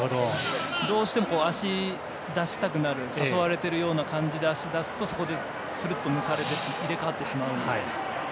どうしても足を出したくなる誘われているような感じで足を出すと、スッと抜かれて入れ替わってしまうので。